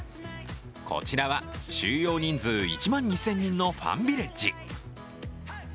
こちらは収容人数１万２０００人のファンビレッジ。